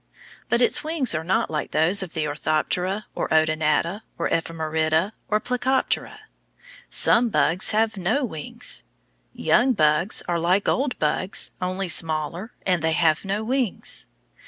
But its wings are not like those of the Orthoptera or Odonata or Ephemerida or Plecoptera. Some bugs have no wings. Young bugs are like old bugs, only smaller, and they have no wings.